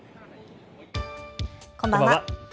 こんばんは。